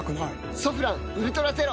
「ソフランウルトラゼロ」